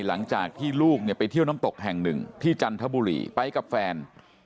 หลังจากที่ลูกเนี่ยไปเที่ยวน้ำตกแห่งหนึ่งที่จันทบุรีไปกับแฟน